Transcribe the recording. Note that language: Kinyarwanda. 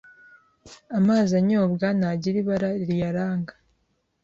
Amazi anyobwa ntagira ibara riyaranga.